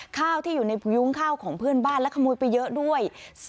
ข้าวที่อยู่ในยุ้งข้าวของเพื่อนบ้านและขโมยไปเยอะด้วย